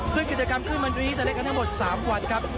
ขึ้นกิจกรรมขึ้นวันนี้จะเล่นกันทั้งหมด๓วันครับ